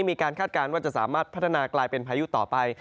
คาดการณ์ว่าจะสามารถพัฒนากลายเป็นพายุต่อไป